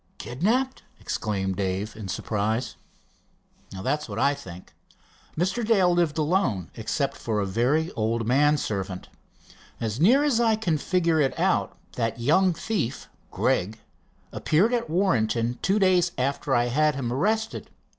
"Kidnapped?" exclaimed Dave in surprise. "That's what I think. Mr. Dale lived alone, except for a very old man servant. As near as I can figure it out, that young thief, Gregg, appeared at Warrenton two days after I had him arrested.